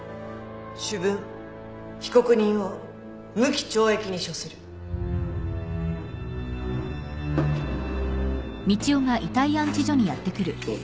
主文被告人を無期懲役に処するどうぞ。